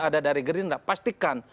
ada dari gerindra pastikan